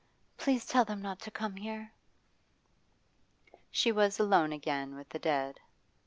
Please tell them not to come here.' She was alone again with the dead.